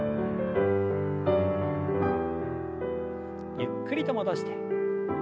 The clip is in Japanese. ゆっくりと戻して。